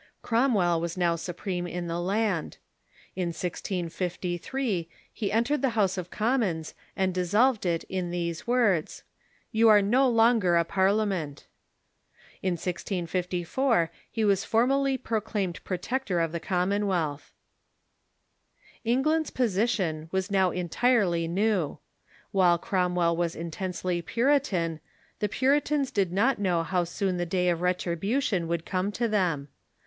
Cromwell was now supreme in the land. In 1653 he entered the House of Commons, and dissolved it in these words: "You are no longer a Parlia ment," In 1654 he was formally proclaimed Protector of the Commonwealth, England's position was now entirely new. While Cromwell was intensely Puritan, the Puritans did not know how soon the day of retribution would come to them.